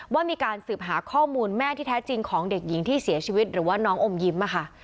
ว่ามีการสืบหาข้อมูลแม่ที่แท้จริงของเด็กหญิงที่เสียชีวิตหรือว่าน้องอมยิ้มค่ะ